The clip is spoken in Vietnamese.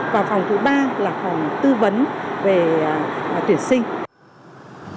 và phòng thứ ba là phòng tư vấn về tuyển sinh